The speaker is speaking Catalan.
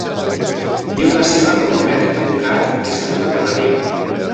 Diu la seva com un gatet educat, que saluda quan arriba.